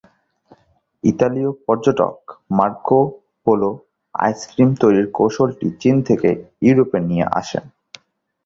ইতালীয় পর্যটক Marco Polo ice cream তৈরির কৌশলটি চিন থেকে ইউরোপে নিয়ে আসেন।